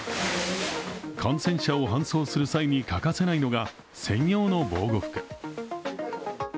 感染者を搬送する際に欠かせないのが専用の防護服。